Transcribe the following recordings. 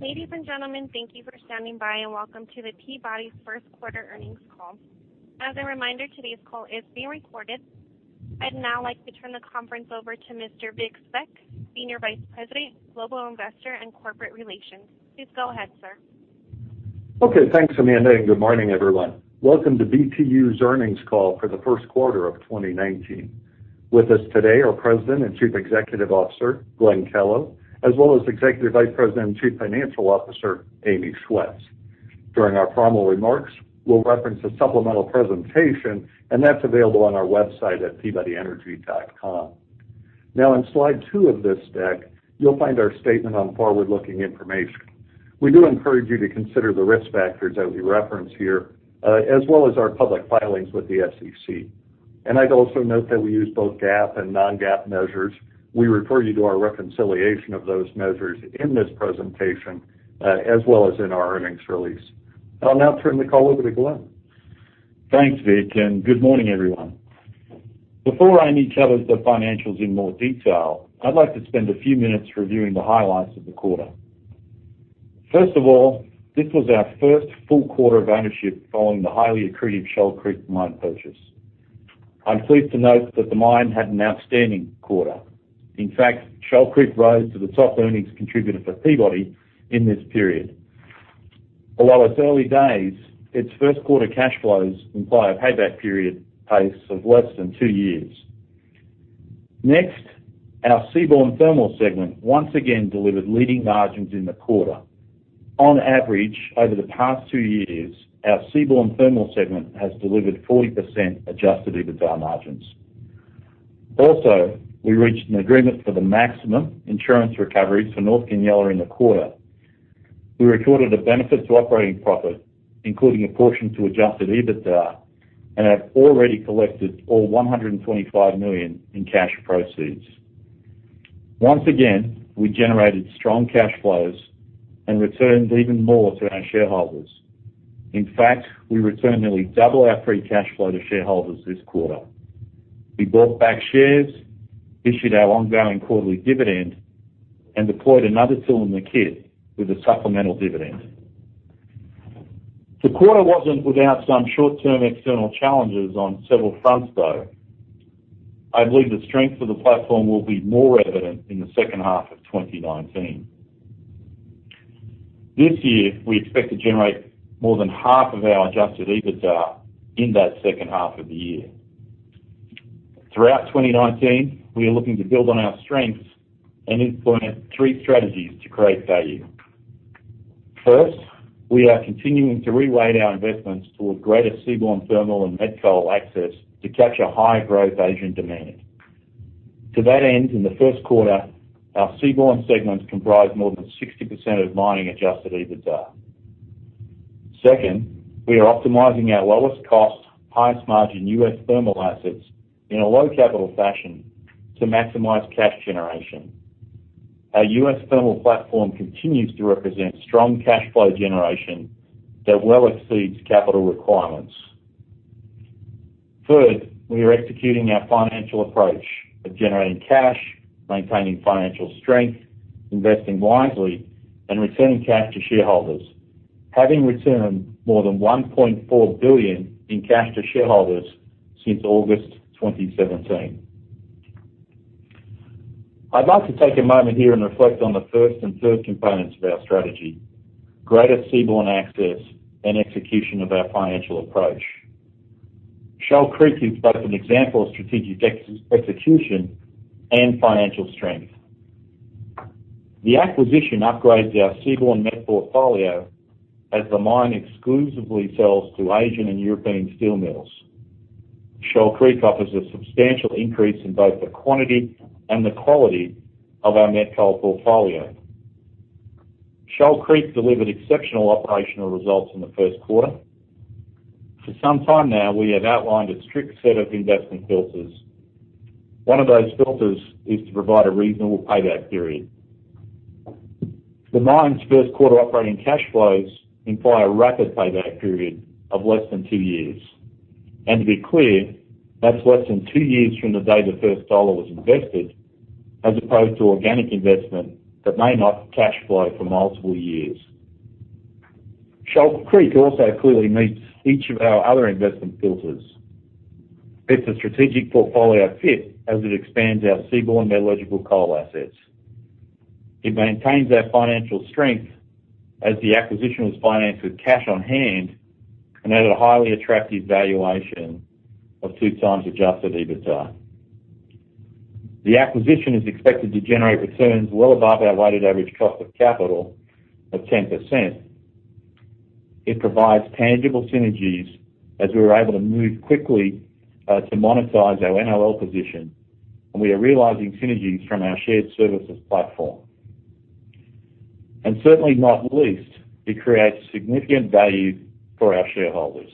Ladies and gentlemen, thank you for standing by, and welcome to Peabody's first quarter earnings call. As a reminder, today's call is being recorded. I'd now like to turn the conference over to Mr. Vic Svec, Senior Vice President, Global Investor and Corporate Relations. Please go ahead, sir. Okay. Thanks, Amanda, good morning, everyone. Welcome to BTU's earnings call for the first quarter of 2019. With us today are President and Chief Executive Officer, Glenn Kellow, as well as Executive Vice President and Chief Financial Officer, Amy Schwetz. During our formal remarks, we'll reference a supplemental presentation, and that's available on our website at peabodyenergy.com. On slide two of this deck, you'll find our statement on forward-looking information. We do encourage you to consider the risk factors that we reference here, as well as our public filings with the SEC. I'd also note that we use both GAAP and non-GAAP measures. We refer you to our reconciliation of those measures in this presentation, as well as in our earnings release. I'll now turn the call over to Glenn. Thanks, Vic, good morning, everyone. Before Amy covers the financials in more detail, I'd like to spend a few minutes reviewing the highlights of the quarter. First of all, this was our first full quarter of ownership following the highly accretive Shoal Creek mine purchase. I'm pleased to note that the mine had an outstanding quarter. In fact, Shoal Creek rose to the top earnings contributor for Peabody in this period. Although it's early days, its first quarter cash flows imply a payback period pace of less than two years. Next, our seaborne thermal segment once again delivered leading margins in the quarter. On average, over the past two years, our seaborne thermal segment has delivered 40% adjusted EBITDA margins. Also, we reached an agreement for the maximum insurance recoveries for North Goonyella in the quarter. We recorded a benefit to operating profit, including a portion to adjusted EBITDA, and have already collected all $125 million in cash proceeds. Once again, we generated strong cash flows and returned even more to our shareholders. In fact, we returned nearly double our free cash flow to shareholders this quarter. We bought back shares, issued our ongoing quarterly dividend, and deployed another tool in the kit with a supplemental dividend. The quarter wasn't without some short-term external challenges on several fronts, though. I believe the strength of the platform will be more evident in the second half of 2019. This year, we expect to generate more than half of our adjusted EBITDA in that second half of the year. Throughout 2019, we are looking to build on our strengths and implement three strategies to create value. First, we are continuing to reweight our investments towards greater seaborne thermal and met coal access to capture high-growth Asian demand. To that end, in the first quarter, our seaborne segments comprised more than 60% of mining adjusted EBITDA. Second, we are optimizing our lowest cost, highest margin U.S. thermal assets in a low-capital fashion to maximize cash generation. Our U.S. thermal platform continues to represent strong cash flow generation that well exceeds capital requirements. Third, we are executing our financial approach of generating cash, maintaining financial strength, investing wisely, and returning cash to shareholders, having returned more than $1.4 billion in cash to shareholders since August 2017. I'd like to take a moment here and reflect on the first and third components of our strategy, greater seaborne access and execution of our financial approach. Shoal Creek is both an example of strategic execution and financial strength. The acquisition upgrades our seaborne met portfolio as the mine exclusively sells to Asian and European steel mills. Shoal Creek offers a substantial increase in both the quantity and the quality of our met coal portfolio. Shoal Creek delivered exceptional operational results in the first quarter. For some time now, we have outlined a strict set of investment filters. One of those filters is to provide a reasonable payback period. The mine's first quarter operating cash flows imply a rapid payback period of less than two years. To be clear, that's less than two years from the day the first dollar was invested, as opposed to organic investment that may not cash flow for multiple years. Shoal Creek also clearly meets each of our other investment filters. It's a strategic portfolio fit as it expands our seaborne metallurgical coal assets. It maintains our financial strength as the acquisition was financed with cash on hand and at a highly attractive valuation of 2x adjusted EBITDA. The acquisition is expected to generate returns well above our weighted average cost of capital of 10%. It provides tangible synergies as we were able to move quickly to monetize our NOL position, and we are realizing synergies from our shared services platform. Certainly not least, it creates significant value for our shareholders.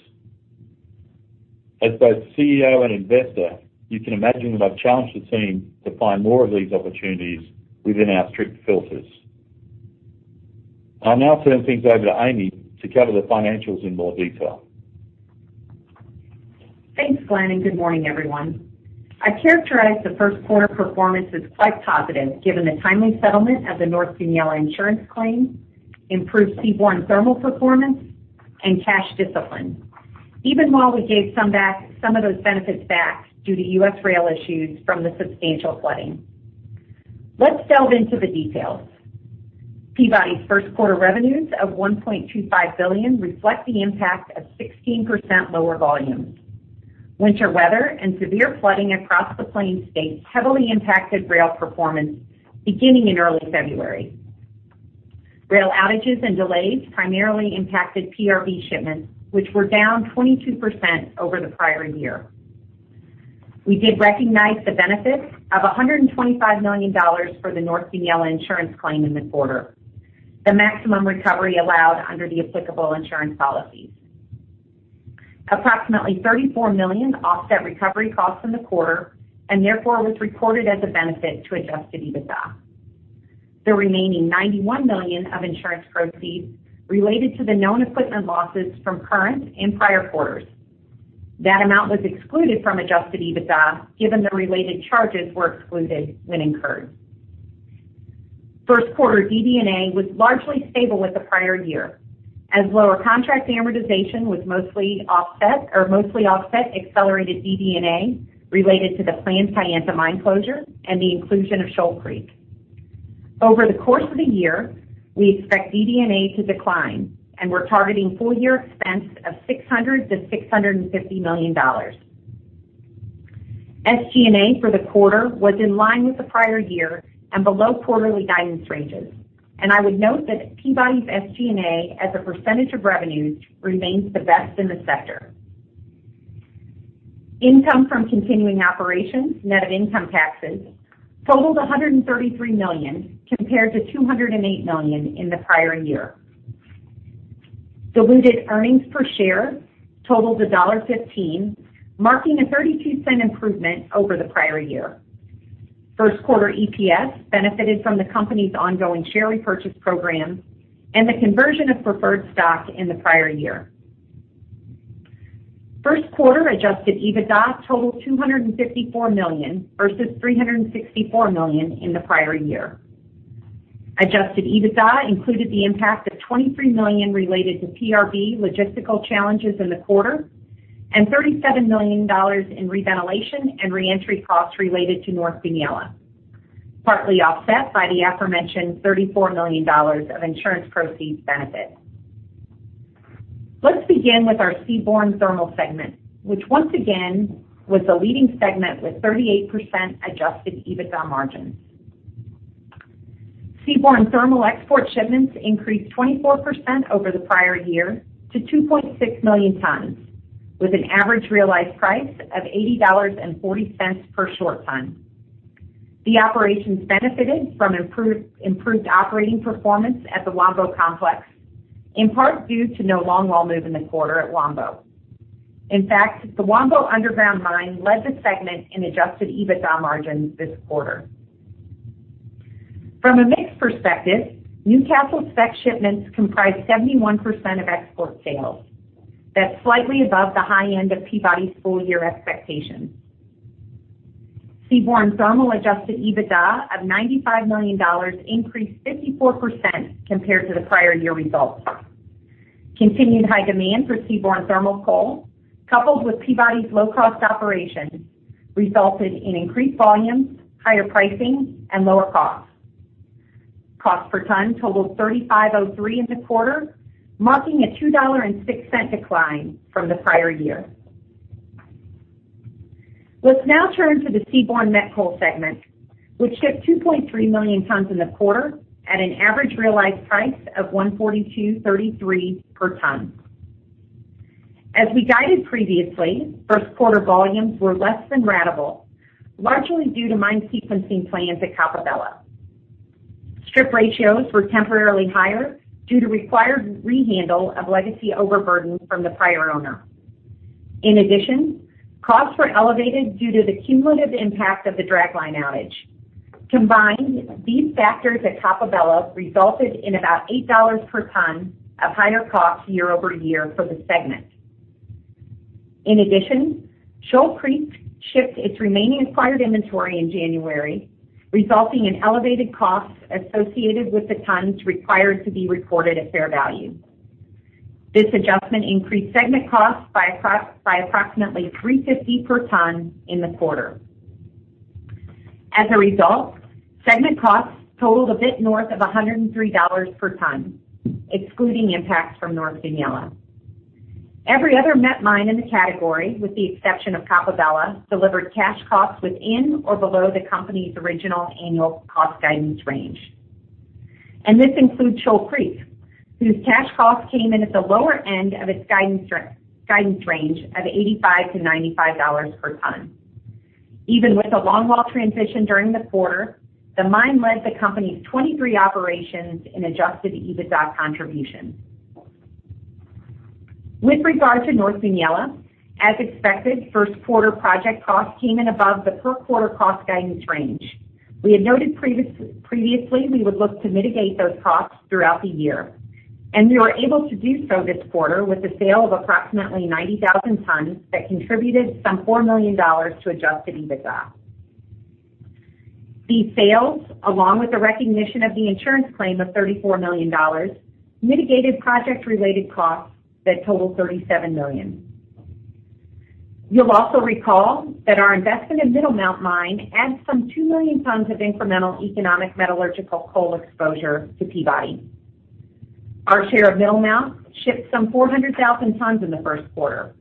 As both CEO and investor, you can imagine that I've challenged the team to find more of these opportunities within our strict filters. I'll now turn things over to Amy to cover the financials in more detail. Thanks, Glenn, good morning, everyone. I characterize the first quarter performance as quite positive given the timely settlement of the North Goonyella insurance claim, improved seaborne thermal performance, and cash discipline, even while we gave some of those benefits back due to U.S. rail issues from the substantial flooding. Let's delve into the details. Peabody's first quarter revenues of $1.25 billion reflect the impact of 16% lower volumes. Winter weather and severe flooding across the plains states heavily impacted rail performance beginning in early February. Rail outages and delays primarily impacted PRB shipments, which were down 22% over the prior year. We did recognize the benefits of $125 million for the North Goonyella insurance claim in the quarter, the maximum recovery allowed under the applicable insurance policies. Approximately $34 million offset recovery costs in the quarter, and therefore was recorded as a benefit to adjusted EBITDA. The remaining $91 million of insurance proceeds related to the known equipment losses from current and prior quarters. That amount was excluded from adjusted EBITDA, given the related charges were excluded when incurred. First quarter DD&A was largely stable with the prior year, as lower contract amortization was mostly offset accelerated DD&A related to the planned Kayenta Mine closure and the inclusion of Shoal Creek. Over the course of the year, we expect DD&A to decline, and we're targeting full-year expense of $600 million to $650 million. SG&A for the quarter was in line with the prior year and below quarterly guidance ranges. I would note that Peabody's SG&A as a percentage of revenues remains the best in the sector. Income from continuing operations, net of income taxes, totaled $133 million compared to $208 million in the prior year. Diluted earnings per share totaled $1.15, marking a $0.32 improvement over the prior year. First quarter EPS benefited from the company's ongoing share repurchase program and the conversion of preferred stock in the prior year. First quarter adjusted EBITDA totaled $254 million versus $364 million in the prior year. Adjusted EBITDA included the impact of $23 million related to PRB logistical challenges in the quarter and $37 million in reventilation and reentry costs related to North Goonyella, partly offset by the aforementioned $34 million of insurance proceeds benefit. Let's begin with our Seaborne Thermal segment, which once again was the leading segment with 38% adjusted EBITDA margins. Seaborne Thermal export shipments increased 24% over the prior year to 2.6 million tons, with an average realized price of $80.40 per short ton. The operations benefited from improved operating performance at the Wambo Complex, in part due to no long-wall move in the quarter at Wambo. In fact, the Wambo underground mine led the segment in adjusted EBITDA margins this quarter. From a mix perspective, Newcastle spec shipments comprised 71% of export sales. That's slightly above the high end of Peabody's full-year expectations. Seaborne Thermal adjusted EBITDA of $95 million increased 54% compared to the prior year results. Continued high demand for Seaborne Thermal coal, coupled with Peabody's low-cost operations, resulted in increased volumes, higher pricing, and lower costs. Cost per ton totaled $35.03 in the quarter, marking a $2.06 decline from the prior year. Let's now turn to the Seaborne Met Coal segment, which shipped 2.3 million tons in the quarter at an average realized price of $142.33/ton. As we guided previously, first quarter volumes were less than ratable, largely due to mine sequencing plans at Coppabella. Strip ratios were temporarily higher due to required rehandle of legacy overburden from the prior owner. In addition, costs were elevated due to the cumulative impact of the dragline outage. Combined, these factors at Coppabella resulted in about $8/ton of higher costs year-over-year for the segment. In addition, Shoal Creek shipped its remaining acquired inventory in January, resulting in elevated costs associated with the tons required to be recorded at fair value. This adjustment increased segment costs by approximately $3.50/ton in the quarter. As a result, segment costs totaled a bit north of $103/ton, excluding impacts from North Goonyella. Every other met mine in the category, with the exception of Coppabella, delivered cash costs within or below the company's original annual cost guidance range. This includes Shoal Creek, whose cash cost came in at the lower end of its guidance range of $85/ton-$95/ton. Even with the long wall transition during the quarter, the mine led the company's 23 operations in adjusted EBITDA contributions. With regard to North Goonyella, as expected, first quarter project costs came in above the per-quarter cost guidance range. We had noted previously we would look to mitigate those costs throughout the year. We were able to do so this quarter with the sale of approximately 90,000 tons that contributed some $4 million to adjusted EBITDA. These sales, along with the recognition of the insurance claim of $34 million, mitigated project-related costs that totaled $37 million. You'll also recall that our investment in Middlemount Mine adds some 2 million tons of incremental economic metallurgical coal exposure to Peabody. Our share of Middlemount shipped some 400,000 tons in the first quarter.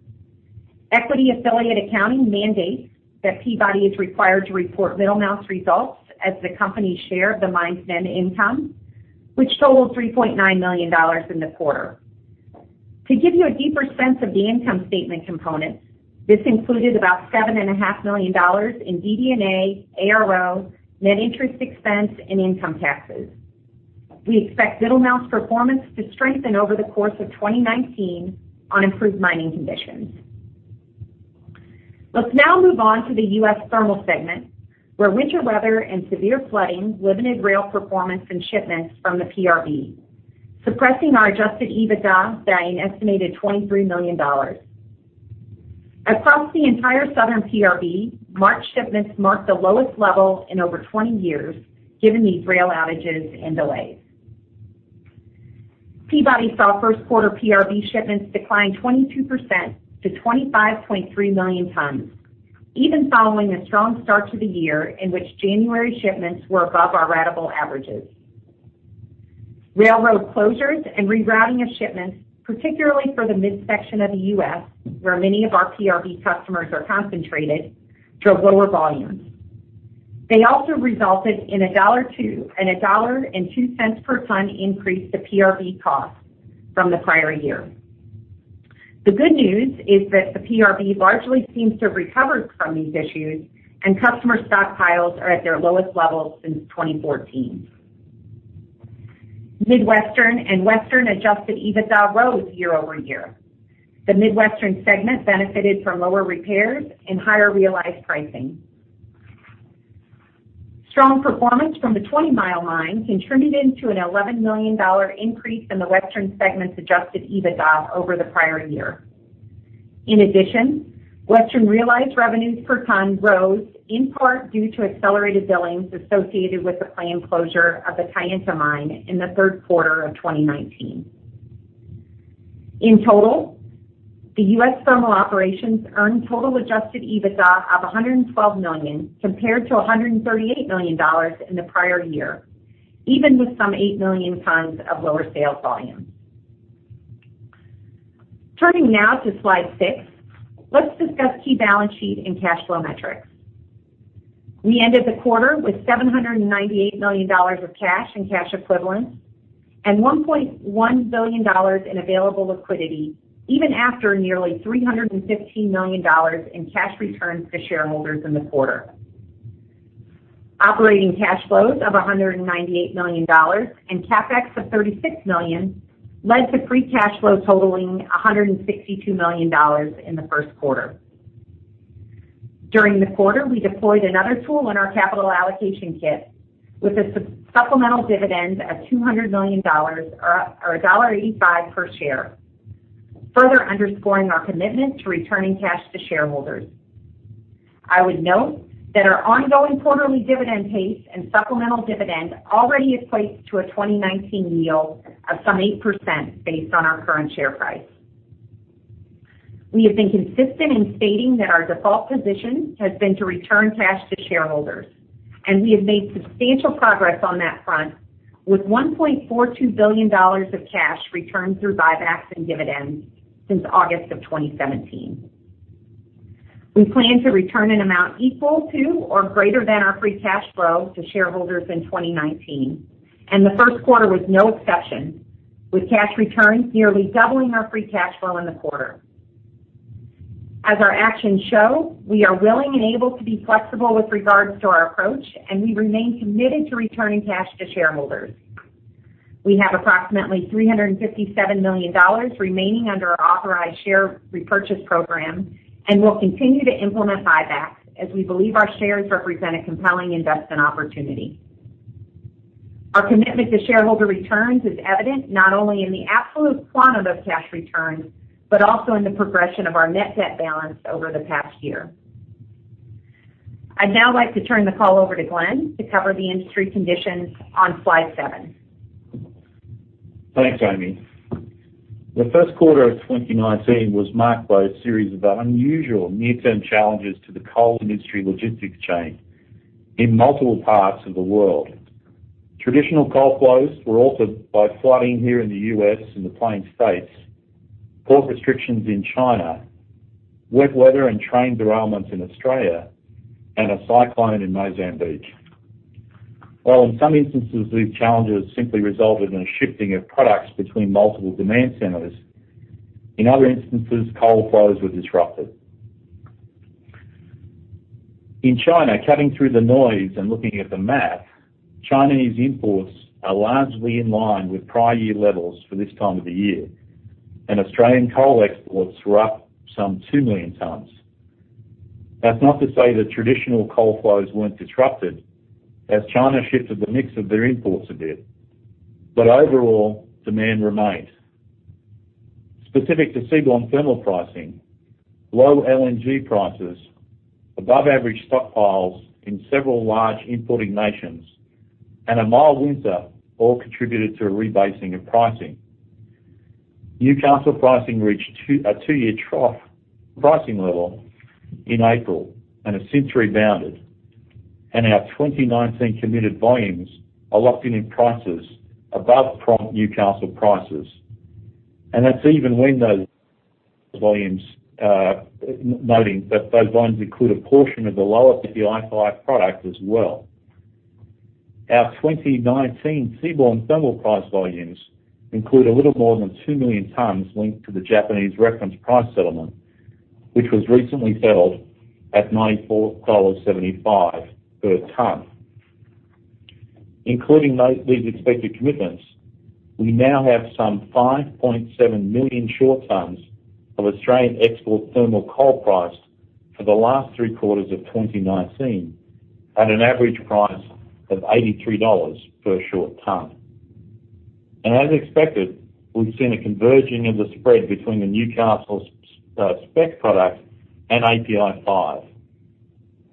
Equity affiliate accounting mandates that Peabody is required to report Middlemount's results as the company's share of the mine's net income, which totaled $3.9 million in the quarter. To give you a deeper sense of the income statement components, this included about $7.5 million in DD&A, ARO, net interest expense, and income taxes. We expect Middlemount's performance to strengthen over the course of 2019 on improved mining conditions. Let's now move on to the U.S. Thermal segment, where winter weather and severe flooding limited rail performance and shipments from the PRB, suppressing our adjusted EBITDA by an estimated $23 million. Across the entire southern PRB, March shipments marked the lowest level in over 20 years, given these rail outages and delays. Peabody saw first quarter PRB shipments decline 22% to 25.3 million tons, even following a strong start to the year in which January shipments were above our ratable averages. Railroad closures and rerouting of shipments, particularly for the midsection of the U.S., where many of our PRB customers are concentrated, drove lower volumes. They also resulted in a $1.02/ton increase to PRB costs from the prior year. The good news is that the PRB largely seems to have recovered from these issues, and customer stockpiles are at their lowest levels since 2014. Midwestern and Western adjusted EBITDA rose year-over-year. The Midwestern segment benefited from lower repairs and higher realized pricing. Strong performance from the Twentymile Mine contributed to an $11 million increase in the Western segment's adjusted EBITDA over the prior year. In addition, Western realized revenues per ton rose in part due to accelerated billings associated with the planned closure of the Kayenta mine in the third quarter of 2019. In total, the U.S. Thermal operations earned total adjusted EBITDA of $112 million compared to $138 million in the prior year, even with some 8 million tons of lower sales volume. Turning now to slide six, let's discuss key balance sheet and cash flow metrics. We ended the quarter with $798 million of cash and cash equivalents and $1.1 billion in available liquidity even after nearly $315 million in cash returns to shareholders in the quarter. Operating cash flows of $198 million and CapEx of $36 million led to free cash flow totaling $162 million in the first quarter. During the quarter, we deployed another tool in our capital allocation kit with a supplemental dividend of $200 million or $1.85 per share, further underscoring our commitment to returning cash to shareholders. I would note that our ongoing quarterly dividend pace and supplemental dividend already equates to a 2019 yield of some 8% based on our current share price. We have been consistent in stating that our default position has been to return cash to shareholders, and we have made substantial progress on that front with $1.42 billion of cash returned through buybacks and dividends since August 2017. We plan to return an amount equal to or greater than our free cash flow to shareholders in 2019, and the first quarter was no exception, with cash returns nearly doubling our free cash flow in the quarter. Our actions show, we are willing and able to be flexible with regards to our approach, and we remain committed to returning cash to shareholders. We have approximately $357 million remaining under our authorized share repurchase program and will continue to implement buybacks as we believe our shares represent a compelling investment opportunity. Our commitment to shareholder returns is evident not only in the absolute quantity of cash returned, but also in the progression of our net debt balance over the past year. I would now like to turn the call over to Glenn to cover the industry conditions on slide seven. Thanks, Amy. The first quarter of 2019 was marked by a series of unusual near-term challenges to the coal industry logistics chain in multiple parts of the world. Traditional coal flows were altered by flooding here in the U.S. in the Plains states, port restrictions in China, wet weather and train derailments in Australia, and a cyclone in Mozambique. While in some instances, these challenges simply resulted in a shifting of products between multiple demand centers, in other instances, coal flows were disrupted. In China, cutting through the noise and looking at the math, Chinese imports are largely in line with prior year levels for this time of the year, and Australian coal exports were up some 2 million tons. That's not to say that traditional coal flows weren't disrupted as China shifted the mix of their imports a bit, but overall, demand remained. Specific to seaborne thermal pricing, low LNG prices, above average stockpiles in several large importing nations, and a mild winter all contributed to a rebasing of pricing. Newcastle pricing reached a two-year trough pricing level in April and has since rebounded. Our 2019 committed volumes are locked in prices above prompt Newcastle prices. That's even when those volumes, noting that those volumes include a portion of the lower API5 product as well. Our 2019 seaborne thermal price volumes include a little more than 2 million tons linked to the Japanese reference price settlement, which was recently settled at $94.75/ton. Including these expected commitments, we now have some 5.7 million short tons of Australian export thermal coal priced for the last three quarters of 2019 at an average price of $83 per short ton. As expected, we've seen a converging of the spread between the Newcastle spec product and API5.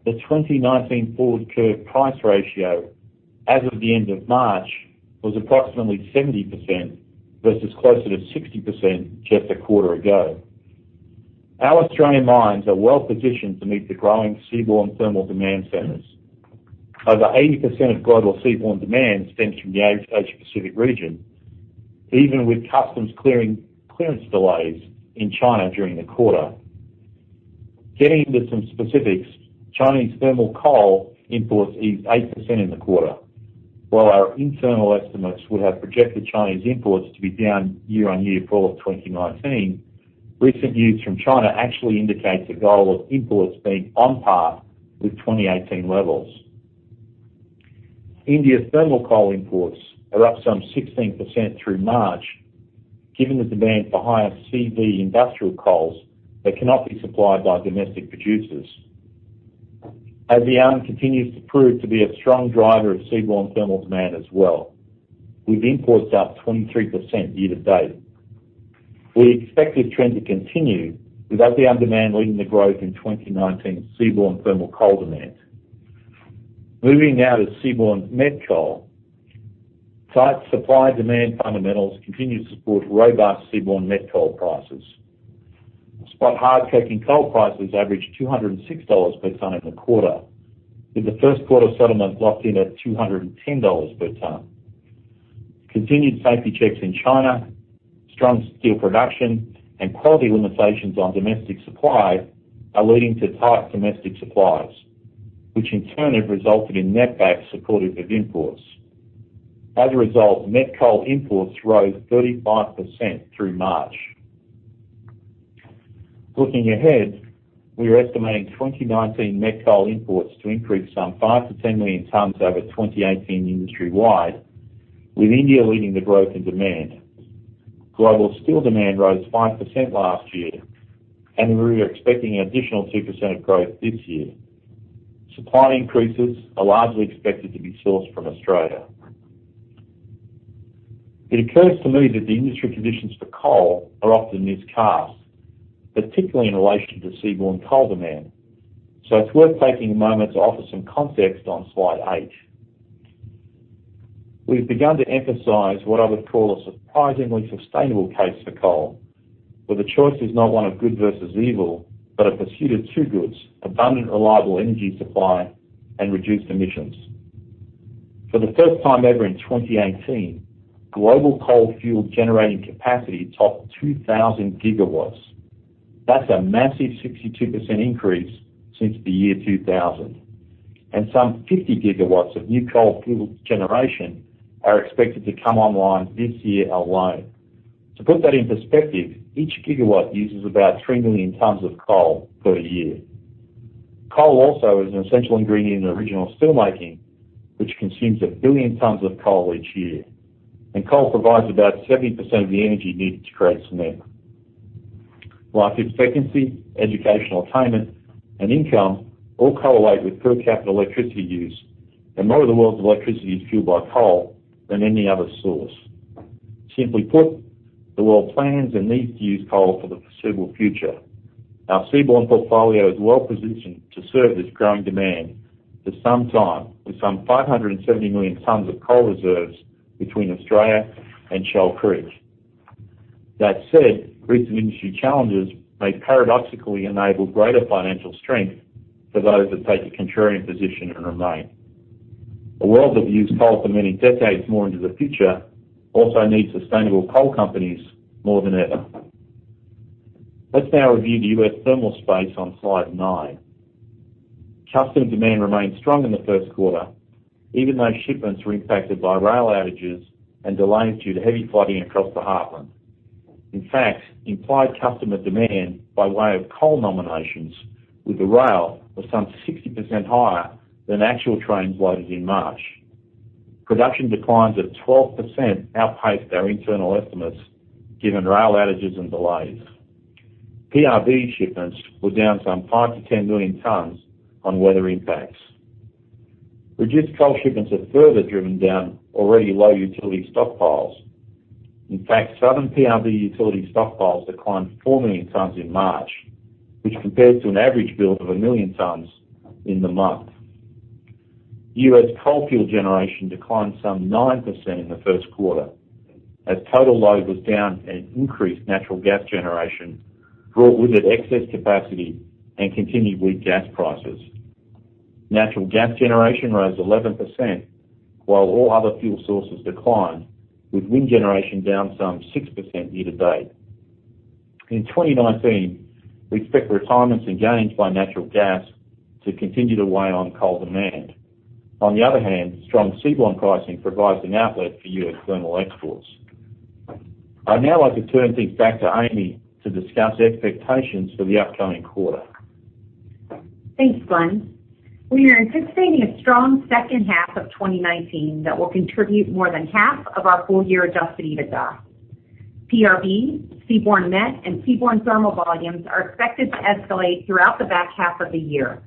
The 2019 forward curve price ratio as of the end of March was approximately 70%, versus closer to 60% just a quarter ago. Our Australian mines are well-positioned to meet the growing seaborne thermal demand centers. Over 80% of global seaborne demand stems from the Asia Pacific region, even with customs clearance delays in China during the quarter. Getting into some specifics, Chinese thermal coal imports eased 8% in the quarter. While our internal estimates would have projected Chinese imports to be down year-on-year full of 2019, recent news from China actually indicates a goal of imports being on par with 2018 levels. India thermal coal imports are up some 16% through March, given the demand for higher CV industrial coals that cannot be supplied by domestic producers. ASEAN continues to prove to be a strong driver of seaborne thermal demand as well, with imports up 23% year to date. We expect this trend to continue, with ASEAN demand leading the growth in 2019 seaborne thermal coal demand. Moving now to seaborne met coal. Tight supply-demand fundamentals continue to support robust seaborne met coal prices. Spot coking coal prices averaged $206/ton in the quarter, with the first quarter settlement locked in at $210/ton. Continued safety checks in China, strong steel production, and quality limitations on domestic supply are leading to tight domestic supplies, which in turn have resulted in netbacks supportive of imports. As a result, met coal imports rose 35% through March. Looking ahead, we are estimating 2019 met coal imports to increase some 5 million tons-10 million tons over 2018 industry-wide, with India leading the growth in demand. Global steel demand rose 5% last year, and we're expecting an additional 2% of growth this year. Supply increases are largely expected to be sourced from Australia. It occurs to me that the industry conditions for coal are often miscast, particularly in relation to seaborne coal demand. It's worth taking a moment to offer some context on slide eight. We've begun to emphasize what I would call a surprisingly sustainable case for coal, where the choice is not one of good versus evil, but a pursuit of two goods, abundant, reliable energy supply and reduced emissions. For the first time ever in 2018, global coal fuel generating capacity topped 2,000 GW. That's a massive 62% increase since the year 2000. Some 50 GW of new coal fuel generation are expected to come online this year alone. To put that in perspective, each gigawatt uses about 3 million tons of coal per year. Coal also is an essential ingredient in original steel making, which consumes a billion tons of coal each year. Coal provides about 70% of the energy needed to create cement. Life expectancy, educational attainment, and income all correlate with per capita electricity use, and more of the world's electricity is fueled by coal than any other source. Simply put, the world plans and needs to use coal for the foreseeable future. Our seaborne portfolio is well-positioned to serve this growing demand for some time, with some 570 million tons of coal reserves between Australia and Shoal Creek. That said, recent industry challenges may paradoxically enable greater financial strength for those that take a contrarian position and remain. A world that will use coal for many decades more into the future also needs sustainable coal companies more than ever. Let's now review the U.S. thermal space on slide nine. Customer demand remained strong in the first quarter, even though shipments were impacted by rail outages and delays due to heavy flooding across the Heartland. In fact, implied customer demand by way of coal nominations with the rail was some 60% higher than actual trains loaded in March. Production declines of 12% outpaced our internal estimates given rail outages and delays. PRB shipments were down some 5 million tons-10 million tons on weather impacts. Reduced coal shipments have further driven down already low utility stockpiles. In fact, Southern PRB utility stockpiles declined four million tons in March, which compares to an average build of a million tons in the month. U.S. coal-fueled generation declined some 9% in the first quarter, as total load was down and increased natural gas generation brought with it excess capacity and continued weak gas prices. Natural gas generation rose 11%, while all other fuel sources declined, with wind generation down some 6% year-to-date. In 2019, we expect retirements and gains by natural gas to continue to weigh on coal demand. On the other hand, strong seaborne pricing provides an outlet for U.S. thermal exports. I'd now like to turn things back to Amy to discuss expectations for the upcoming quarter. Thanks, Glenn. We are anticipating a strong second half of 2019 that will contribute more than half of our full-year adjusted EBITDA. PRB, seaborne met, and seaborne thermal volumes are expected to escalate throughout the back half of the year.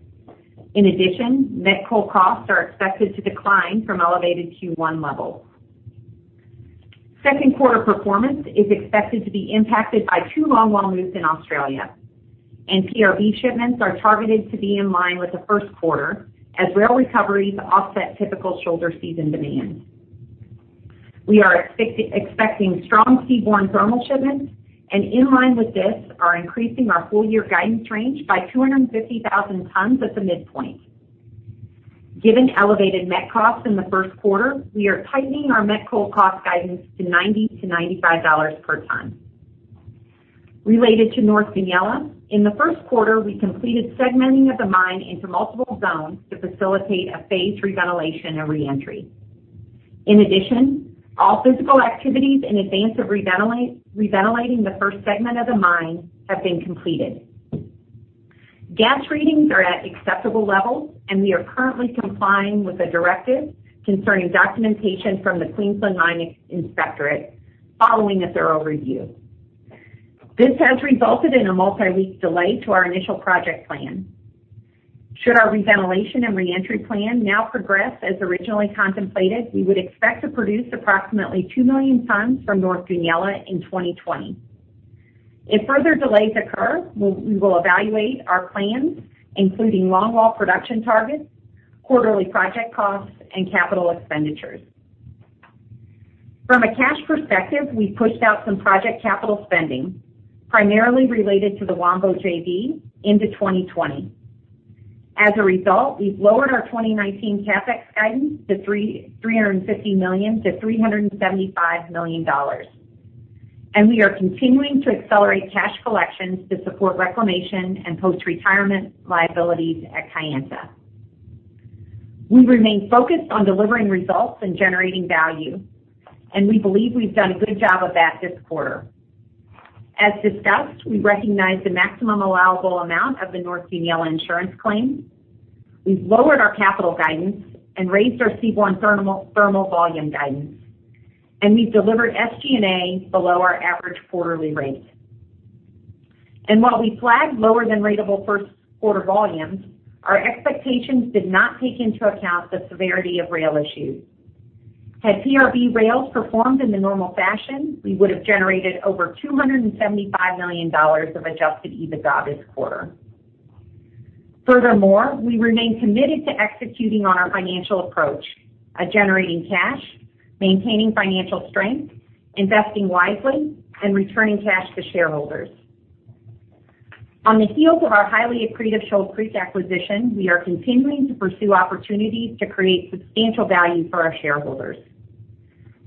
In addition, met coal costs are expected to decline from elevated Q1 levels. Second quarter performance is expected to be impacted by two longwall moves in Australia. PRB shipments are targeted to be in line with the first quarter as rail recoveries offset typical shoulder season demand. In line with this are increasing our full-year guidance range by 250,000 tons at the midpoint. Given elevated met costs in the first quarter, we are tightening our met coal cost guidance to $90/ton-$95/ton. Related to North Goonyella, in the first quarter, we completed segmenting of the mine into multiple zones to facilitate a phased reventilation and reentry. In addition, all physical activities in advance of reventilating the first segment of the mine have been completed. Gas readings are at acceptable levels. We are currently complying with the directive concerning documentation from the Queensland Mines Inspectorate following a thorough review. This has resulted in a multi-week delay to our initial project plan. Should our reventilation and reentry plan now progress as originally contemplated, we would expect to produce approximately 2 million tons from North Goonyella in 2020. If further delays occur, we will evaluate our plans, including longwall production targets, quarterly project costs, and capital expenditures. From a cash perspective, we pushed out some project capital spending, primarily related to the Wambo JV into 2020. As a result, we've lowered our 2019 CapEx guidance to $350 million-$375 million. We are continuing to accelerate cash collections to support reclamation and post-retirement liabilities at Kayenta. We remain focused on delivering results and generating value, and we believe we've done a good job of that this quarter. As discussed, we recognized the maximum allowable amount of the North Goonyella insurance claim. We've lowered our capital guidance and raised our seaborne thermal volume guidance. We've delivered SG&A below our average quarterly rate. While we flagged lower than predictable first quarter volumes, our expectations did not take into account the severity of rail issues. Had PRB rails performed in the normal fashion, we would have generated over $275 million of adjusted EBITDA this quarter. Furthermore, we remain committed to executing on our financial approach of generating cash, maintaining financial strength, investing wisely, returning cash to shareholders. On the heels of our highly accretive Shoal Creek acquisition, we are continuing to pursue opportunities to create substantial value for our shareholders.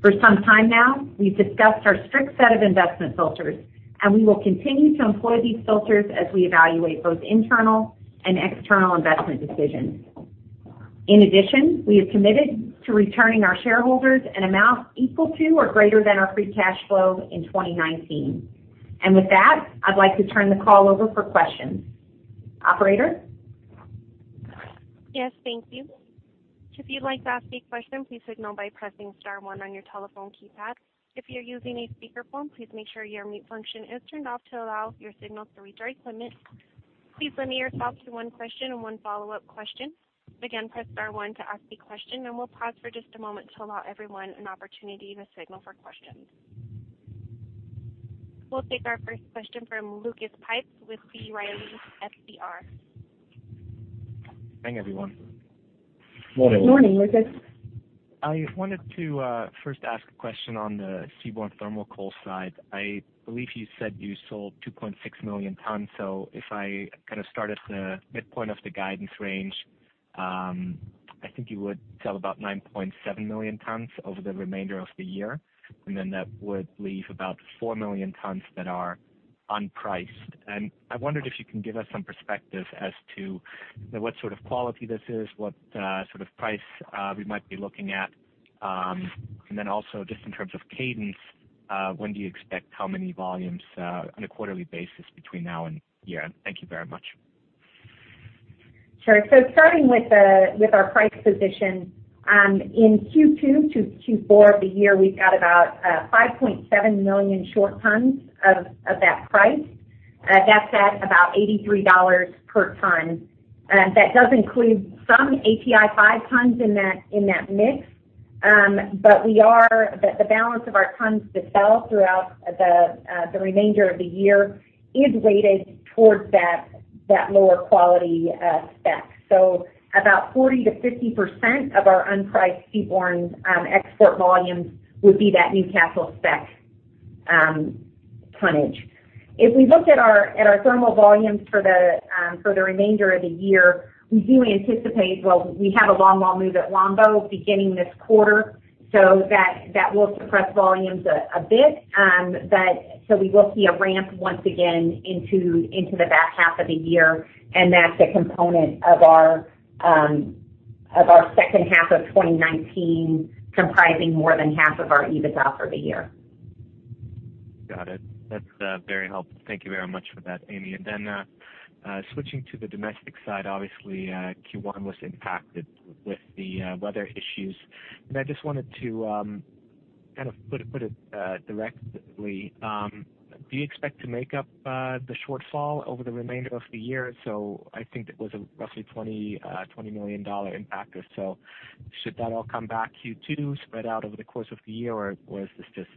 For some time now, we've discussed our strict set of investment filters, and we will continue to employ these filters as we evaluate both internal and external investment decisions. In addition, we have committed to returning our shareholders an amount equal to or greater than our free cash flow in 2019. With that, I'd like to turn the call over for questions. Operator? Yes, thank you. If you'd like to ask a question, please signal by pressing star one on your telephone keypad. If you're using a speakerphone, please make sure your mute function is turned off to allow your signal to reach our equipment. Please limit yourself to one question and one follow-up question. Again, press star one to ask a question, and we'll pause for just a moment to allow everyone an opportunity to signal for questions. We'll take our first question from Lucas Pipes with B. Riley FBR. Thanks, everyone. Morning. Morning, Lucas. I wanted to first ask a question on the seaborne thermal coal side. I believe you said you sold 2.6 million tons. If I start at the midpoint of the guidance range, I think you would sell about 9.7 million tons over the remainder of the year, that would leave about 4 million tons that are unpriced. I wondered if you can give us some perspective as to what sort of quality this is, what sort of price we might be looking at. Also just in terms of cadence, when do you expect how many volumes on a quarterly basis between now and year-end? Thank you very much. Sure. Starting with our price position in Q2-Q4 of the year, we've got about 5.7 million short tons of that price. That's at about $83/ton. That does include some API5 tons in that mix. The balance of our tons to sell throughout the remainder of the year is weighted towards that lower quality spec. About 40%-50% of our unpriced seaborne export volumes would be that Newcastle spec tonnage. If we looked at our thermal volumes for the remainder of the year, we do anticipate, well, we have a longwall move at Wambo beginning this quarter, that will suppress volumes a bit. We will see a ramp once again into the back half of the year, and that's a component of our second half of 2019 comprising more than half of our EBITDA for the year. Got it. That's very helpful. Thank you very much for that, Amy. Switching to the domestic side, obviously, Q1 was impacted with the weather issues. I just wanted to put it directly. Do you expect to make up the shortfall over the remainder of the year? I think it was a roughly $20 million impactor. Should that all come back Q2 spread out over the course of the year or was this just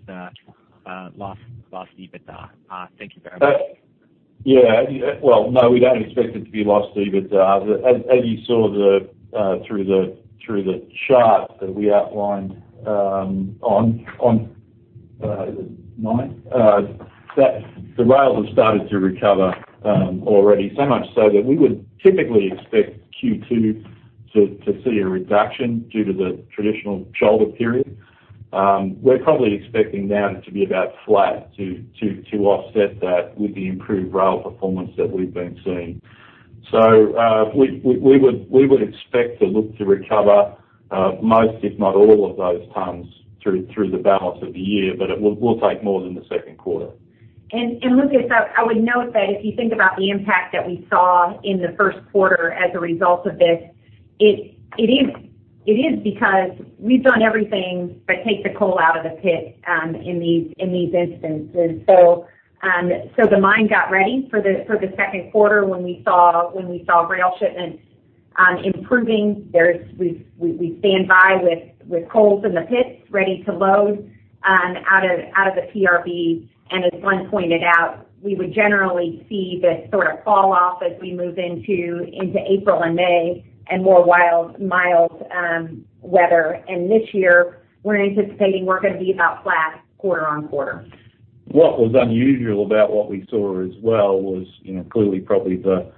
lost EBITDA? Thank you very much. No, we don't expect it to be lost EBITDA. As you saw through the chart that we outlined on the ninth that the rails have started to recover already, so much so that we would typically expect Q2 to see a reduction due to the traditional shoulder period. We're probably expecting now to be about flat to offset that with the improved rail performance that we've been seeing. We would expect to look to recover most, if not all of those tons through the balance of the year, but it will take more than the second quarter. Lucas, I would note that if you think about the impact that we saw in the first quarter as a result of this, it is because we've done everything but take the coal out of the pit in these instances. The mine got ready for the second quarter when we saw rail shipments improving. We stand by with coals in the pits ready to load out of the PRB. As Glenn pointed out, we would generally see this sort of fall off as we move into April and May and more mild weather. This year we're anticipating we're going to be about flat quarter-on-quarter. What was unusual about what we saw as well was clearly probably the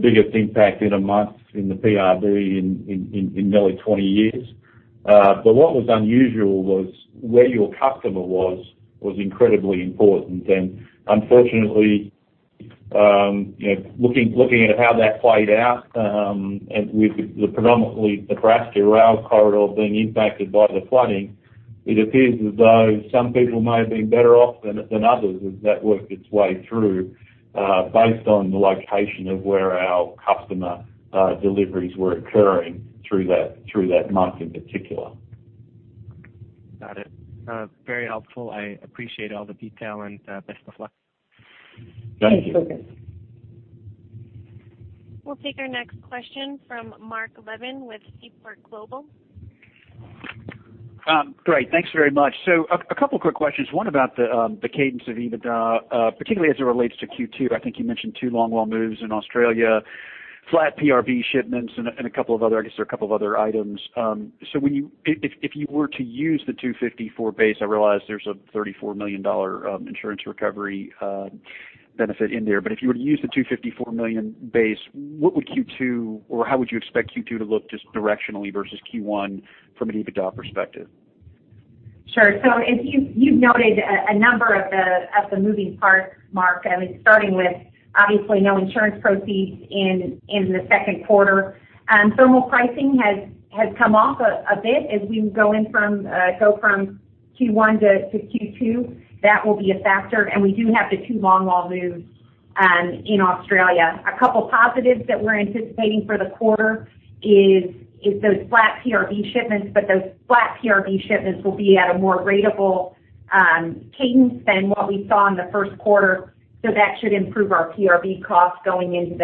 biggest impact in a month in the PRB in nearly 20 years. What was unusual was where your customer was incredibly important. Unfortunately looking at how that played out with the predominantly Nebraska rail corridor being impacted by the flooding, it appears as though some people may have been better off than others as that worked its way through based on the location of where our customer deliveries were occurring through that month in particular. Got it. Very helpful. I appreciate all the detail. Best of luck. Thank you. Thanks, Lucas. We'll take our next question from Marc Levin with Seaport Global. Great. Thanks very much. A couple quick questions. One about the cadence of EBITDA, particularly as it relates to Q2. I think you mentioned two longwall moves in Australia, flat PRB shipments, and I guess there are a couple of other items. If you were to use the $254 base, I realize there's a $34 million insurance recovery benefit in there, but if you were to use the $254 million base, what would Q2 or how would you expect Q2 to look just directionally versus Q1 from an EBITDA perspective? Sure. As you've noted a number of the moving parts, Marc, I mean, starting with obviously no insurance proceeds in the second quarter. Thermal pricing has come off a bit as we go from Q1 to Q2. That will be a factor. We do have the two longwall moves in Australia. A couple positives that we're anticipating for the quarter is those flat PRB shipments, those flat PRB shipments will be at a more ratable cadence than what we saw in the first quarter. That should improve our PRB costs going into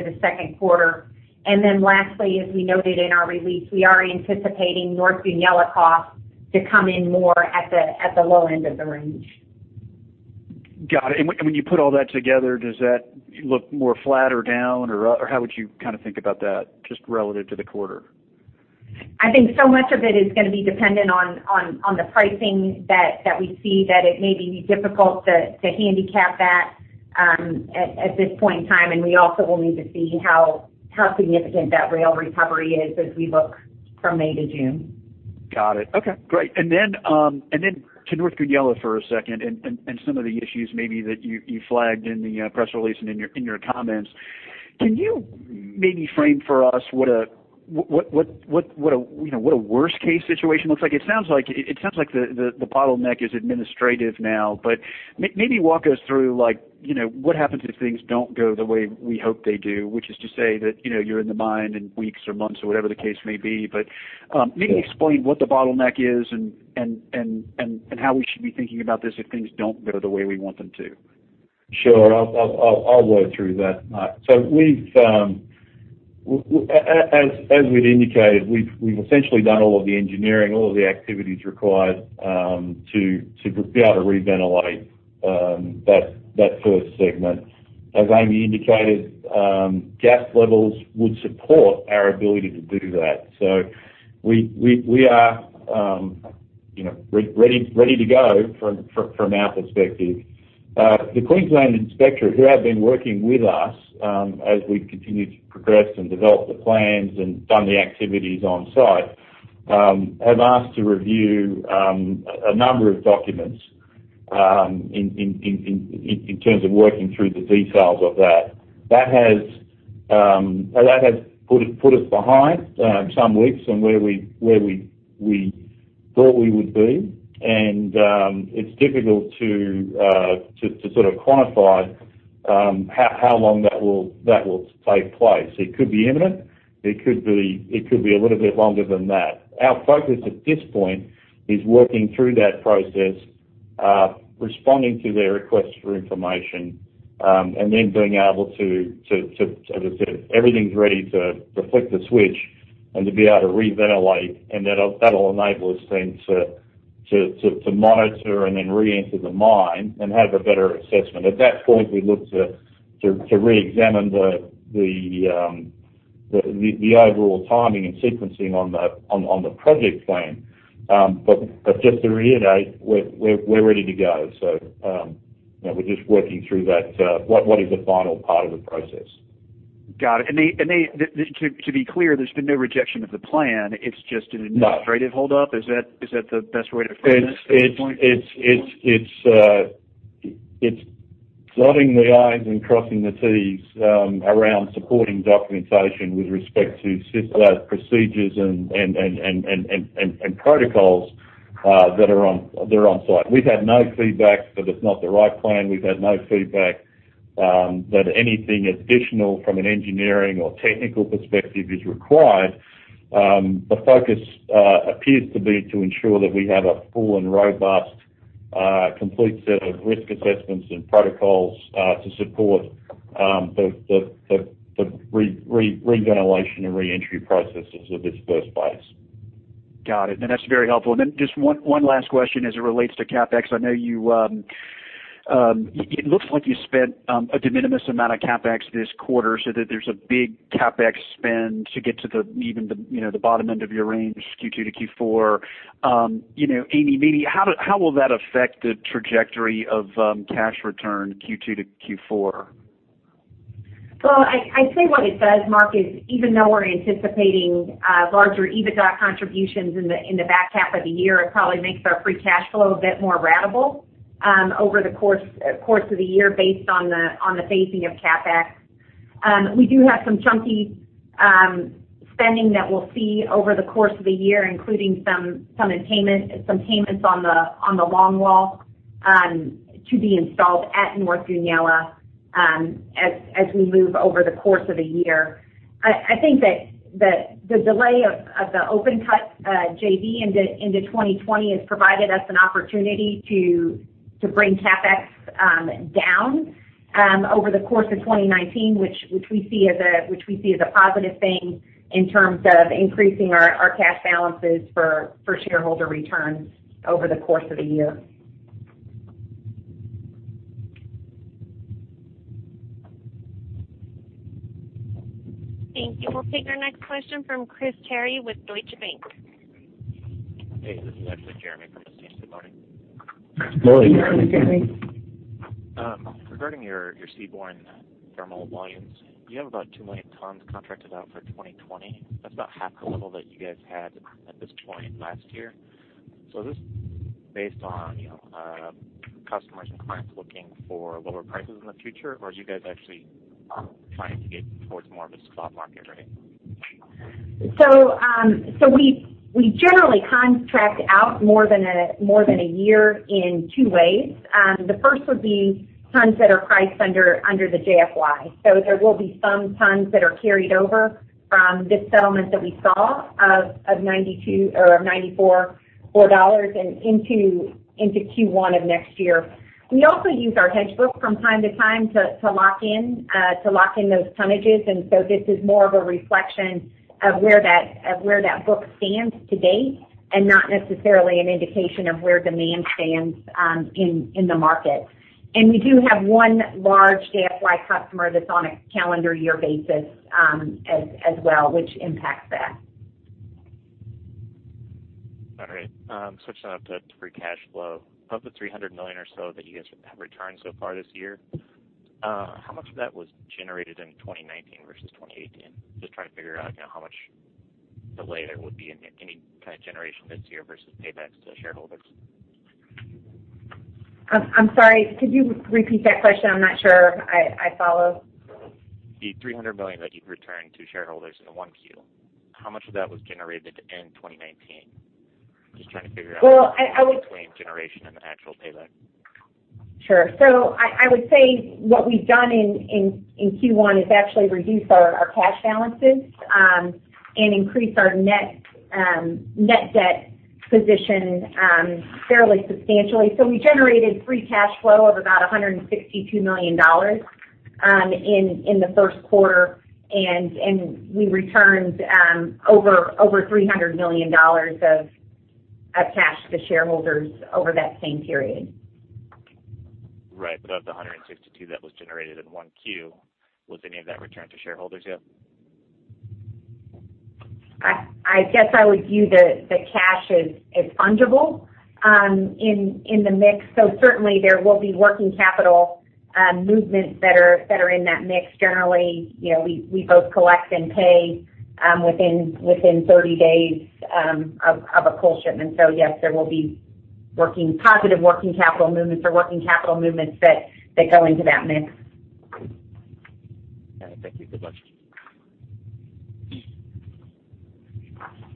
the second quarter. Lastly, as we noted in our release, we are anticipating North Goonyella costs to come in more at the low end of the range. Got it. When you put all that together, does that look more flat or down or how would you think about that just relative to the quarter? I think so much of it is going to be dependent on the pricing that we see that it may be difficult to handicap that at this point in time. We also will need to see how significant that rail recovery is as we look from May to June. Got it. Okay, great. To North Goonyella for a second and some of the issues maybe that you flagged in the press release and in your comments. Can you maybe frame for us what a worst-case situation looks like? It sounds like the bottleneck is administrative now, maybe walk us through what happens if things don't go the way we hope they do, which is to say that you're in the mine in weeks or months or whatever the case may be. Maybe explain what the bottleneck is and how we should be thinking about this if things don't go the way we want them to. Sure. I'll work through that, Marc. As we'd indicated, we've essentially done all of the engineering, all of the activities required to be able to reventilate that first segment. As Amy indicated, gas levels would support our ability to do that. We are ready to go from our perspective. The Queensland inspector, who have been working with us, as we've continued to progress and develop the plans and done the activities on-site, have asked to review a number of documents in terms of working through the details of that. That has put us behind some weeks from where we thought we would be, and it's difficult to quantify how long that will take place. It could be imminent. It could be a little bit longer than that. Our focus at this point is working through that process, responding to their request for information, being able to, as I said, everything's ready to flick the switch and to be able to reventilate, and that'll enable us then to monitor and then reenter the mine and have a better assessment. At that point, we look to reexamine the overall timing and sequencing on the project plan. Just to reiterate, we're ready to go. We're just working through that, what is the final part of the process. Got it. To be clear, there's been no rejection of the plan. It's just. No. An administrative hold up? Is that the best way to frame this at this point? It's dotting the Is and crossing the Ts around supporting documentation with respect to systems, procedures, and protocols that are on site. We've had no feedback that it's not the right plan. We've had no feedback that anything additional from an engineering or technical perspective is required. The focus appears to be to ensure that we have a full and robust, complete set of risk assessments and protocols to support the reventilation and reentry processes of this first phase. Got it. No, that's very helpful. Just one last question as it relates to CapEx. It looks like you spent a de minimis amount of CapEx this quarter so that there's a big CapEx spend to get to even the bottom end of your range, Q2-Q4. Amy, maybe how will that affect the trajectory of cash return Q2-Q4? Well, I'd say what it does, Marc, is even though we're anticipating larger EBITDA contributions in the back half of the year, it probably makes our free cash flow a bit more ratable over the course of the year based on the phasing of CapEx. We do have some chunky spending that we'll see over the course of the year, including some payments on the long wall to be installed at North Goonyella as we move over the course of the year. I think that the delay of the open cut JV into 2020 has provided us an opportunity to bring CapEx down over the course of 2019, which we see as a positive thing in terms of increasing our cash balances for shareholder returns over the course of the year. Thank you. We'll take our next question from Chris Terry with Deutsche Bank. Hey, this is actually Jeremy from Deutsche. Good morning. Morning. Good morning, Jeremy. Regarding your seaborne thermal volumes, you have about 2 million tons contracted out for 2020. That's about half the level that you guys had at this point last year. Is this based on customers and clients looking for lower prices in the future, or are you guys actually trying to get towards more of a spot market ready? We generally contract out more than a year in two ways. The first would be tons that are priced under the JFY. There will be some tons that are carried over from this settlement that we saw of $94 and into Q1 of next year. We also use our hedge book from time to time to lock in those tonnages, and this is more of a reflection of where that book stands to date and not necessarily an indication of where demand stands in the market. We do have one large JFY customer that's on a calendar year basis as well, which impacts that. All right. Switching up to free cash flow. Of the $300 million or so that you guys have returned so far this year, how much of that was generated in 2019 versus 2018? Just trying to figure out how much delay there would be in any kind of generation this year versus paybacks to shareholders. I'm sorry, could you repeat that question? I'm not sure I follow. The $300 million that you've returned to shareholders in the one Q, how much of that was generated in 2019? Well, Between generation and the actual payback. Sure. I would say what we've done in Q1 is actually reduce our cash balances and increase our net debt position fairly substantially. We generated free cash flow of about $162 million in the first quarter. We returned over $300 million of cash to shareholders over that same period. Right. Of the $162 that was generated in 1Q, was any of that returned to shareholders yet? I guess I would view the cash as fungible in the mix. Certainly there will be working capital movements that are in that mix. Generally, we both collect and pay within 30 days of a coal shipment. Yes, there will be positive working capital movements or working capital movements that go into that mix. Got it. Thank you. Good luck.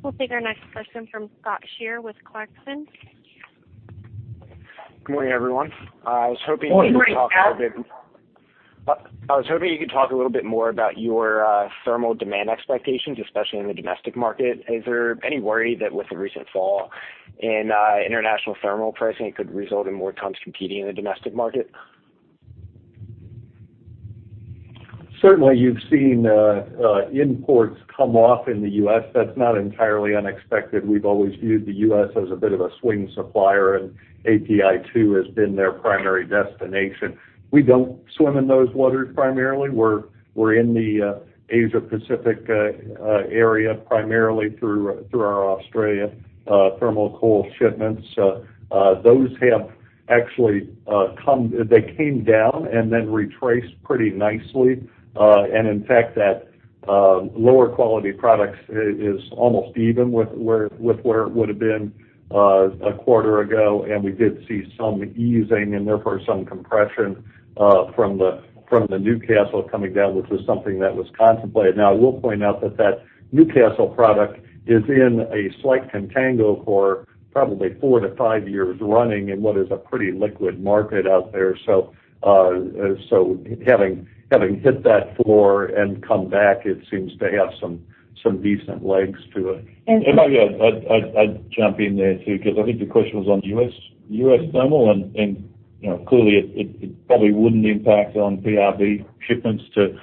We'll take our next question from Scott Schier with Clarksons. Good morning, everyone. I was hoping you could talk a little bit. Good morning, Scott. I was hoping you could talk a little bit more about your thermal demand expectations, especially in the domestic market. Is there any worry that with the recent fall in international thermal pricing, it could result in more tons competing in the domestic market? Certainly, you've seen imports come off in the U.S. That's not entirely unexpected. We've always viewed the U.S. as a bit of a swing supplier, and API2 has been their primary destination. We don't swim in those waters primarily. We're in the Asia-Pacific area primarily through our Australia thermal coal shipments. Those have actually, they came down and then retraced pretty nicely. In fact, that lower quality product is almost even with where it would have been a quarter ago, and we did see some easing and therefore some compression from the Newcastle coming down, which was something that was contemplated. Now, I will point out that that Newcastle product is in a slight contango for probably four to five years running in what is a pretty liquid market out there. Having hit that floor and come back, it seems to have some decent legs to it. And. If I may, I'd jump in there, too, because I think the question was on U.S. thermal, clearly it probably wouldn't impact on PRB shipments to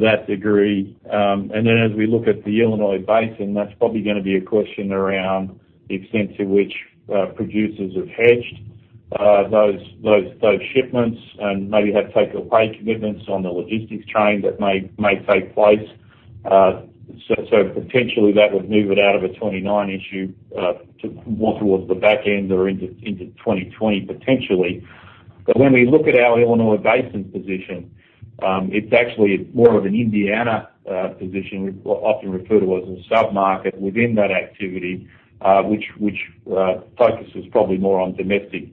that degree. As we look at the Illinois Basin, that's probably going to be a question around the extent to which producers have hedged those shipments and maybe have take-or-pay commitments on the logistics train that may take place. Potentially that would move it out of a 2019 issue more towards the back end or into 2020 potentially. When we look at our Illinois Basin position, it's actually more of an Indiana position. We often refer to it as a sub-market within that activity which focuses probably more on domestic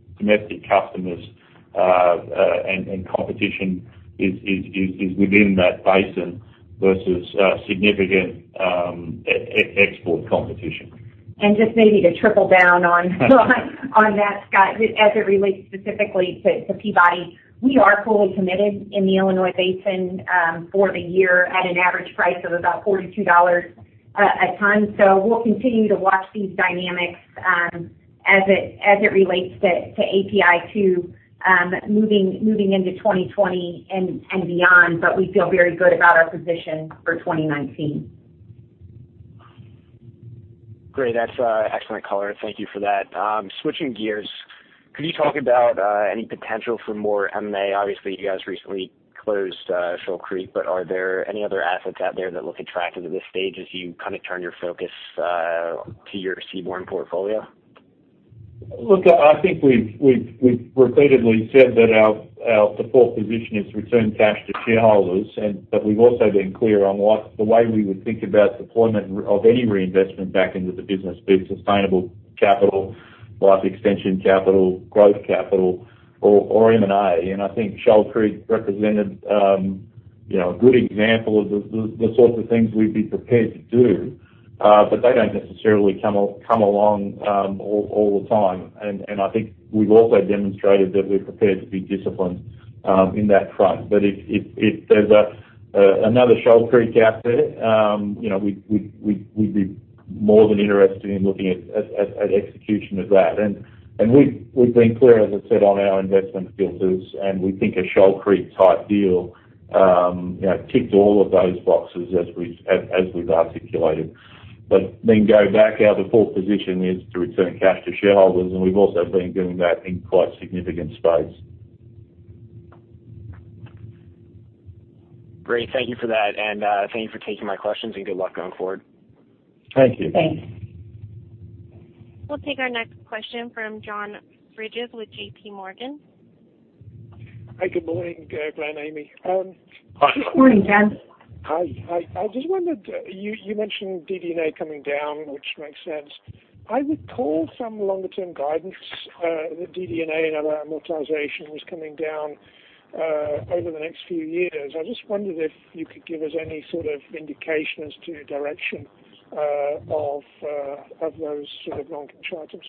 customers. Competition is within that basin versus significant export competition. Just maybe to triple down on that, Scott, as it relates specifically to Peabody. We are fully committed in the Illinois Basin for the year at an average price of about $42/ton. We'll continue to watch these dynamics as it relates to API2 moving into 2020 and beyond. We feel very good about our position for 2019. Great. That's excellent color. Thank you for that. Switching gears, could you talk about any potential for more M&A? Obviously, you guys recently closed Shoal Creek, but are there any other assets out there that look attractive at this stage as you kind of turn your focus to your seaborne portfolio? Look, I think we've repeatedly said that our default position is to return cash to shareholders. We've also been clear on what the way we would think about deployment of any reinvestment back into the business, be it sustainable capital, life extension capital, growth capital, or M&A. I think Shoal Creek represented a good example of the sorts of things we'd be prepared to do. They don't necessarily come along all the time. I think we've also demonstrated that we're prepared to be disciplined in that front. If there's another Shoal Creek out there we'd be more than interested in looking at execution of that. We've been clear, as I said, on our investment filters, and we think a Shoal Creek-type deal ticked all of those boxes as we've articulated. Going back, our default position is to return cash to shareholders, we've also been doing that in quite significant space. Great. Thank you for that. Thank you for taking my questions, good luck going forward. Thank you. Thanks. We'll take our next question from John Bridges with JPMorgan. Hi, good morning, Glenn, Amy. Hi. Good morning, John. Hi. I just wondered, you mentioned DD&A coming down, which makes sense. I recall some longer-term guidance that DD&A and amortization was coming down over the next few years. I just wondered if you could give us any sort of indication as to direction of those sort of long-term charges.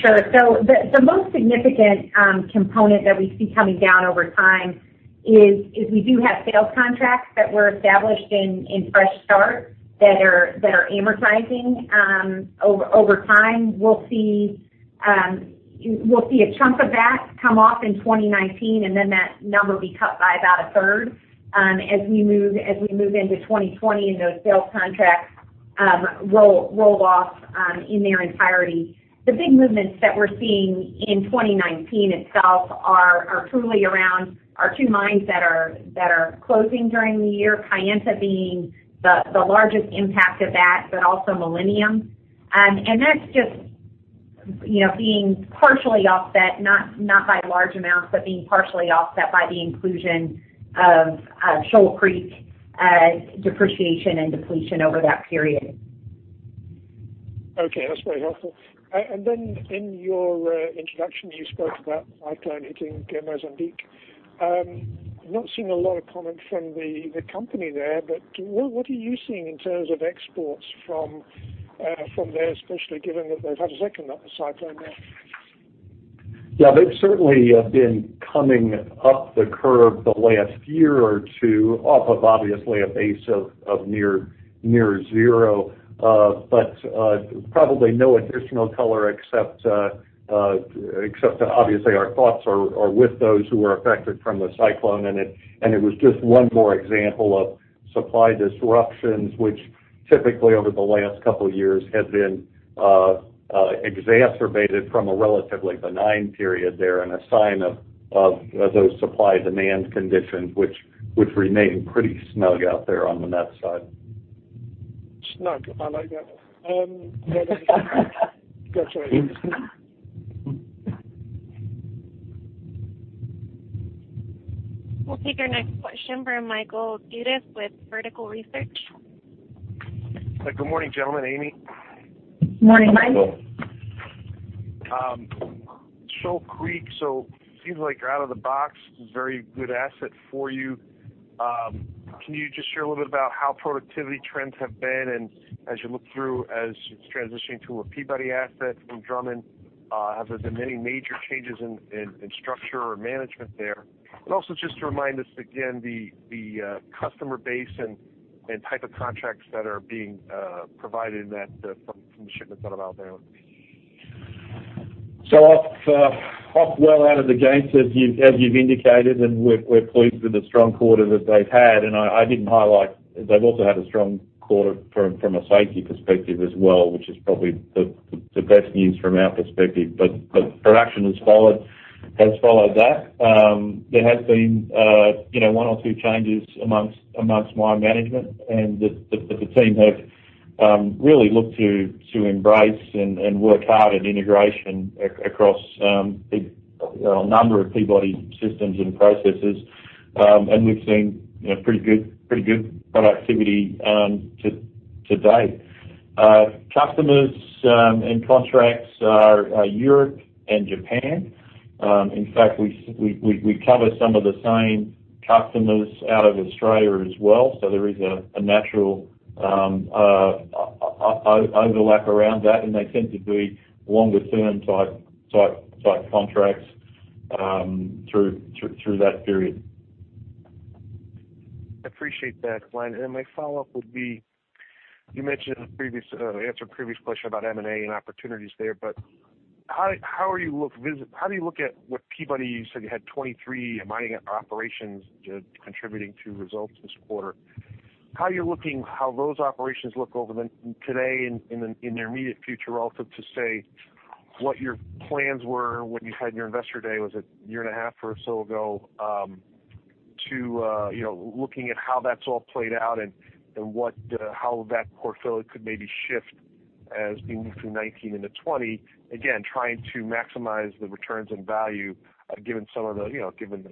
Sure. The most significant component that we see coming down over time is we do have sales contracts that were established in fresh start that are amortizing over time. We'll see a chunk of that come off in 2019, then that number will be cut by about a third as we move into 2020, and those sales contracts roll off in their entirety. The big movements that we're seeing in 2019 itself are truly around our two mines that are closing during the year, Kayenta being the largest impact of that, but also Millennium. That's just being partially offset, not by large amounts, but being partially offset by the inclusion of Shoal Creek depreciation and depletion over that period. Okay, that's very helpful. Then in your introduction, you spoke about cyclone hitting Mozambique. I've not seen a lot of comment from the company there. What are you seeing in terms of exports from there, especially given that they've had a second cyclone now? Yeah, they've certainly been coming up the curve the last year or two, off of obviously a base of near zero. Probably no additional color except that obviously our thoughts are with those who are affected from the cyclone, and it was just one more example of supply disruptions, which typically over the last couple of years has been exacerbated from a relatively benign period there and a sign of those supply-demand conditions which remain pretty snug out there on the met side. Snug. I like that. Got you. We'll take our next question from Michael Dudas with Vertical Research. Good morning, gentlemen, Amy. Morning, Mike. Hello. Shoal Creek, seems like you're out of the box, very good asset for you. Can you just share a little bit about how productivity trends have been and as you look through, as it's transitioning to a Peabody asset from Drummond, have there been any major changes in structure or management there? Also, just to remind us again, the customer base and type of contracts that are being provided in that from the shipments that are out there. Off well out of the gates as you've indicated, we're pleased with the strong quarter that they've had. I didn't highlight, they've also had a strong quarter from a safety perspective as well, which is probably the best news from our perspective. Production has followed that. There has been one or two changes amongst mine management, the team have really looked to embrace and work hard at integration across a number of Peabody systems and processes. We've seen pretty good productivity to date. Customers and contracts are Europe and Japan. In fact, we cover some of the same customers out of Australia as well. There is a natural overlap around that, they tend to be longer-term type contracts through that period. I appreciate that, Glenn. My follow-up would be, you mentioned in a previous answer, previous question about M&A and opportunities there, but how do you look at what Peabody, you said you had 23 mining operations contributing to results this quarter. How you're looking, how those operations look over today in the immediate future, also to say what your plans were when you had your Investor Day, was it a year and a half or so ago, to looking at how that's all played out and how that portfolio could maybe shift as we move through 2019 into 2020, again, trying to maximize the returns and value given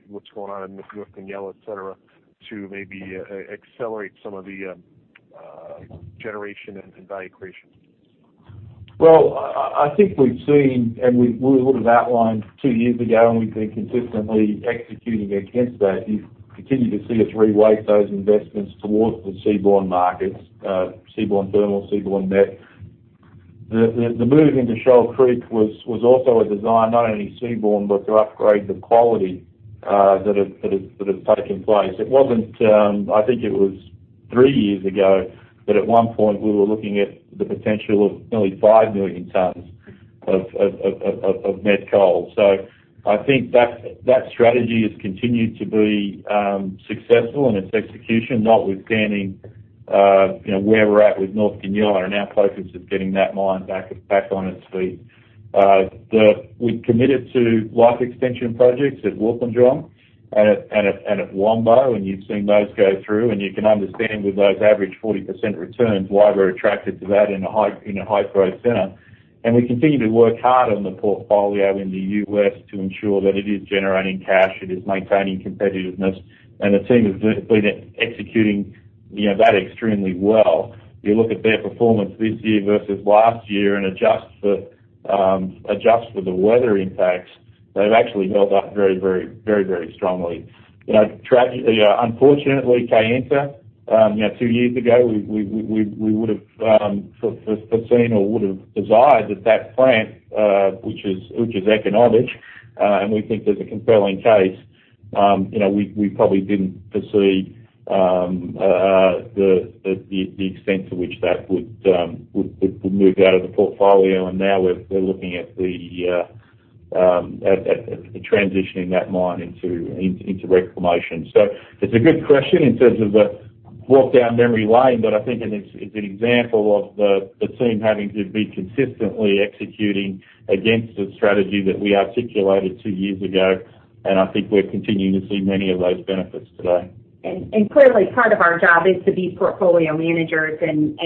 what's going on with North Goonyella, et cetera, to maybe accelerate some of the generation and value creation. Well, I think we've seen, we would have outlined two years ago, we've been consistently executing against that. You continue to see us reweight those investments towards the seaborne markets, seaborne thermal, seaborne met. The move into Shoal Creek was also a design, not only seaborne, but to upgrade the quality that has taken place. I think it was three years ago, that at one point we were looking at the potential of nearly 5 million tons of met coal. I think that strategy has continued to be successful in its execution, notwithstanding Where we're at with North Goonyella and our focus is getting that mine back on its feet. We committed to life extension projects at Wilpinjong and at Wambo, and you've seen those go through, and you can understand with those average 40% returns, why we're attracted to that in a high-growth center. We continue to work hard on the portfolio in the U.S. to ensure that it is generating cash, it is maintaining competitiveness, and the team has been executing that extremely well. You look at their performance this year versus last year and adjust for the weather impacts, they've actually held up very strongly. Unfortunately, Kayenta, two years ago, we would've foreseen or would've desired that that plant, which is economic, and we think there's a compelling case, we probably didn't foresee the extent to which that would move out of the portfolio. Now we're looking at transitioning that mine into reclamation. It's a good question in terms of a walk down memory lane, but I think it's an example of the team having to be consistently executing against the strategy that we articulated two years ago. I think we're continuing to see many of those benefits today. Clearly, part of our job is to be portfolio managers, and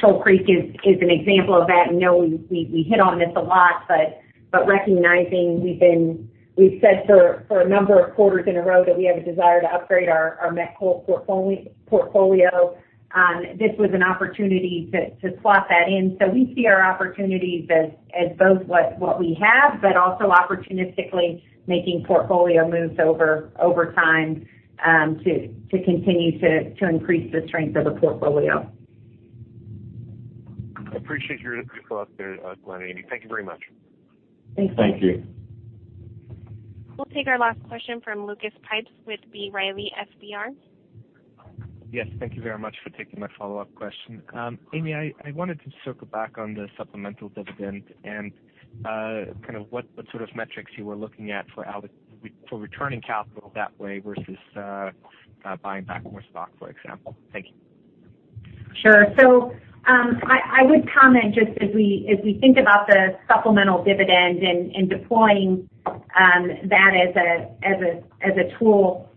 Shoal Creek is an example of that. I know we hit on this a lot, but recognizing we've said for a number of quarters in a row that we have a desire to upgrade our met coal portfolio. This was an opportunity to slot that in. We see our opportunities as both what we have, but also opportunistically making portfolio moves over time to continue to increase the strength of the portfolio. I appreciate your thoughts there, Glenn and Amy. Thank you very much. Thanks. Thank you. We'll take our last question from Lucas Pipes with B. Riley FBR. Yes. Thank you very much for taking my follow-up question. Amy, I wanted to circle back on the supplemental dividend and what sort of metrics you were looking at for returning capital that way versus buying back more stock, for example. Thank you. Sure. I would comment just as we think about the supplemental dividend and deploying that as a tool,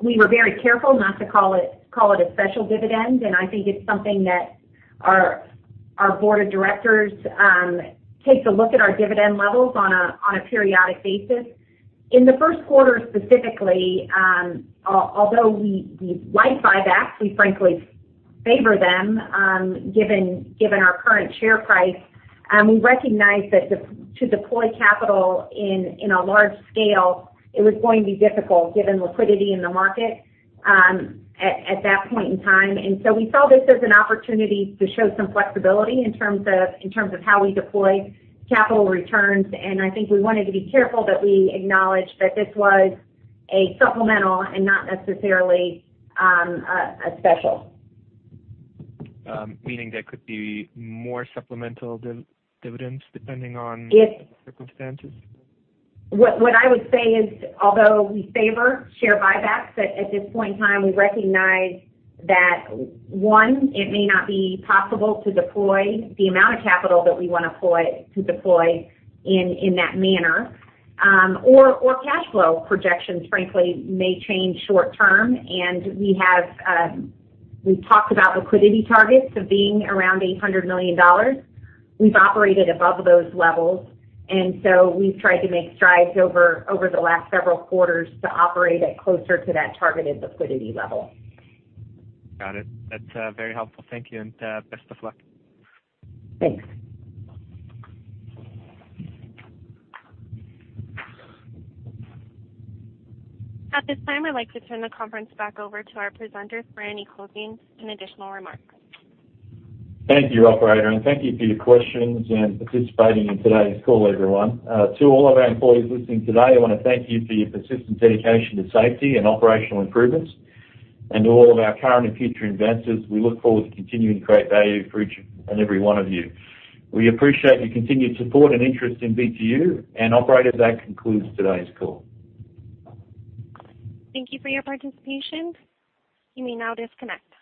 we were very careful not to call it a special dividend. I think it's something that our board of directors takes a look at our dividend levels on a periodic basis. In the first quarter specifically, although we like buybacks, we frankly favor them given our current share price. We recognize that to deploy capital in a large scale, it was going to be difficult given liquidity in the market at that point in time. We saw this as an opportunity to show some flexibility in terms of how we deploy capital returns. I think we wanted to be careful that we acknowledge that this was a supplemental and not necessarily a special. Meaning there could be more supplemental dividends depending on the circumstances? What I would say is, although we favor share buybacks, at this point in time, we recognize that, one, it may not be possible to deploy the amount of capital that we want to deploy in that manner, or cash flow projections, frankly, may change short term. We've talked about liquidity targets of being around $800 million. We've operated above those levels, so we've tried to make strides over the last several quarters to operate at closer to that targeted liquidity level. Got it. That's very helpful. Thank you. Best of luck. Thanks. At this time, I'd like to turn the conference back over to our presenters for any closing and additional remarks. Thank you, operator, and thank you for your questions and participating in today's call, everyone. To all of our employees listening today, I want to thank you for your persistent dedication to safety and operational improvements. To all of our current and future investors, we look forward to continuing to create value for each and every one of you. We appreciate your continued support and interest in BTU, and operator, that concludes today's call. Thank you for your participation. You may now disconnect.